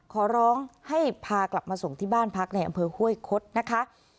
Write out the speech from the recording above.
ขอร้องให้พากลับมาส่งที่บ้านพักในอำเภอห้วยคดนะคะ